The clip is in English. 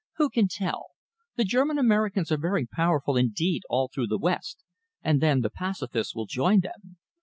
"Who can tell? The German Americans are very powerful indeed all through the West, and then the pacifists will join them.